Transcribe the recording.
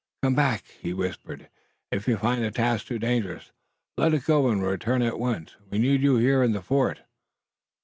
"Come back," he whispered. "If you find the task too dangerous let it go and return at once. We need you here in the fort."